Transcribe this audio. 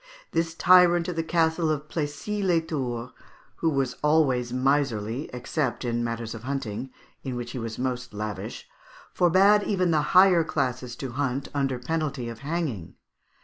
This tyrant of the Castle of Plessis les Tours, who was always miserly, except in matters of hunting, in which he was most lavish, forbade even the higher classes to hunt under penalty of hanging.